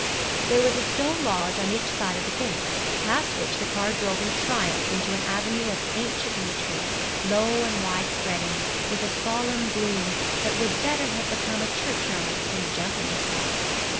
There was a stone lodge on each side of the gate, past which the car drove in triumph into an avenue of ancient yew trees, low and wide spreading, with a solemn gloom that would better have become a churchyard than a gentleman's park.